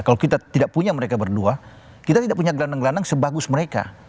kalau kita tidak punya mereka berdua kita tidak punya gelandang gelandang sebagus mereka